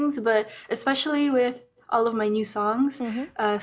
tapi terutama dengan semua lagu baru saya